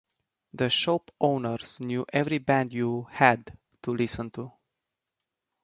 The shop owners knew every band you "had" to listen to.